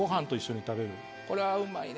これはうまいね！